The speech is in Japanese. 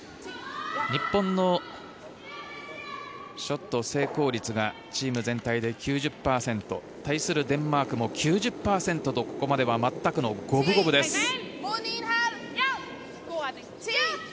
日本のショット成功率がチーム全体で９０％。対するデンマークも９０％とここまでは全くの五分五分です。